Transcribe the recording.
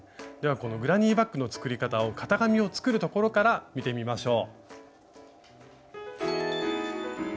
このグラニーバッグの作り方を型紙を作るところから見てみましょう。